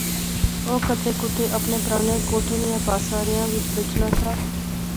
او کدے کُتے اپنے پرانے کوٹھے نیاں پاساریا وچ بہجنا سا